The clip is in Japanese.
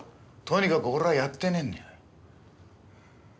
とにかく俺はやってねえんだよ。